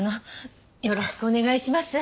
よろしくお願いします。